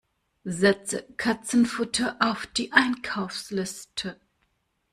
Setze Katzenfutter auf die Einkaufsliste!